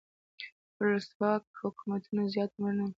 ولسواک حکومتونه زیات عمر نه لري.